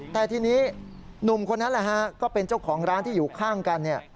แต่ทีนี้หนุ่มคนนั้นก็เป็นเจ้าของร้านที่อยู่ข้างกัน